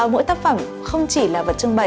mỗi tác phẩm không chỉ là vật trưng bày